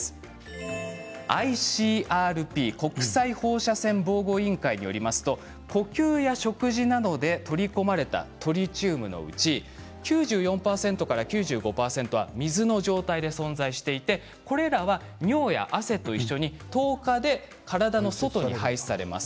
ＩＣＲＰ国際放射線防護委員会によりますと呼吸や食事などで取り込まれたトリチウムのうち９４％から９５％は水の状態で存在していてこれらは尿や汗と一緒に１０日で体の外に排出されます。